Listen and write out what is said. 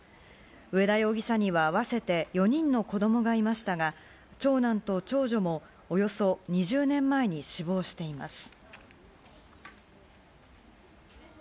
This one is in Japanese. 上田容疑者には合わせて４人の子どもがいましたが、長男と長女もおよそ２０年前に死亡しています。